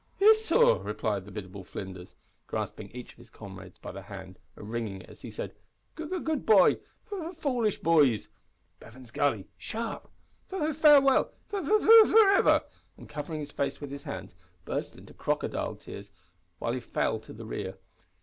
"Yis, sor," replied the biddable Flinders, grasping each of his comrades by the hand and wringing it as he said, "G g good bye, f f foolish b boys, (Bevan's Gully sharp!) f farewell f for i i iver!" and, covering his face with his hands, burst into crocodile's tears while he fell to the rear.